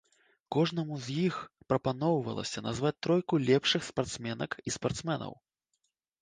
Кожнаму з іх прапаноўвалася назваць тройку лепшых спартсменак і спартсменаў.